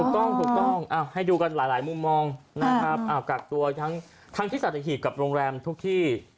ถูกต้องถูกต้องให้ดูกันหลายมุมมองนะครับกักตัวทั้งที่สัตหีบกับโรงแรมทุกที่